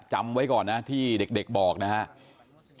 จำไว้ก่อนนะที่เด็กบอกนะครับ